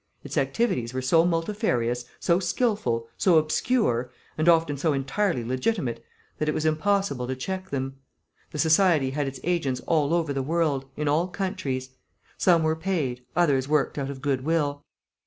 Its activities were so multifarious, so skilful, so obscure, and often so entirely legitimate, that it was impossible to check them. The society had its agents all over the world, in all countries. Some were paid, others worked out of good will.